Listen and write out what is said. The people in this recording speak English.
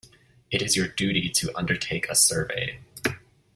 It is your duty to undertake a survey.